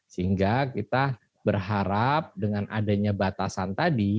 sehingga kita berharap dengan adanya batasan tadi